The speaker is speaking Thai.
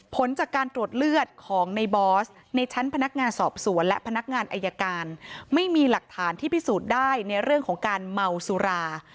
ผลจากการตรวจเลือดของในบอสในชั้นพนักงานสอบสวนและพนักงานอายการไม่มีหลักฐานที่พิสูจน์ได้ในเรื่องของการเมาสุรา